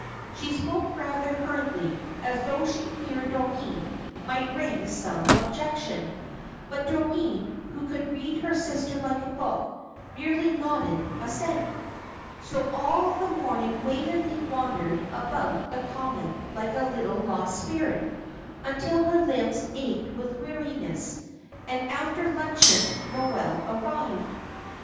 She spoke rather hurriedly, as though she feared Doreen might raise some objection. But Doreen, who could read her sister like a book, merely nodded assent. So all the morning Waveney wandered about the common like a little lost spirit, until her limbs ached with weariness; and after luncheon Noel arrived.